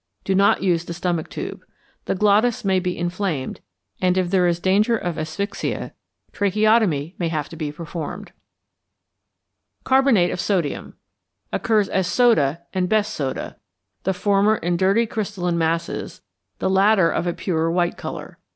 Do not use the stomach tube. The glottis may be inflamed, and if there is danger of asphyxia, tracheotomy may have to be performed. =Carbonate of Sodium= occurs as soda and best soda, the former in dirty crystalline masses, the latter of a purer white colour.